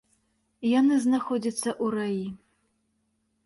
Яны знаходзяцца ў раі.